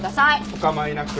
お構いなく。